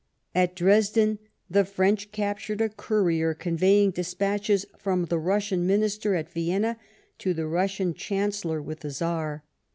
At Dresden the French captured a courier conveying despatches from the Kussian Minister at Vienna to the Russian Chancellor with the Czar.